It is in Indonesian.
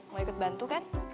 mau ikut bantu kan